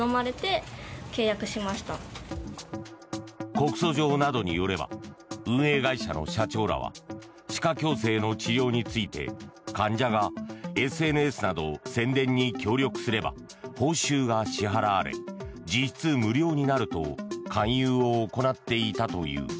告訴状などによれば運営会社の社長らは歯科矯正の治療について患者がＳＮＳなど宣伝に協力すれば報酬が支払われ実質無料になると勧誘を行っていたという。